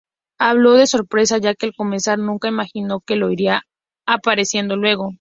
Hablo de ‘sorpresa’, ya que al comenzar nunca imagino lo que irá apareciendo luego.